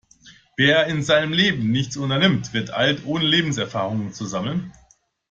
Wer in seinem Leben nichts unternimmt, wird alt, ohne Lebenserfahrung zu sammeln.